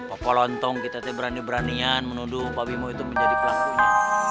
pokoknya kita berani beranian menuduh pak bimo itu menjadi pelakunya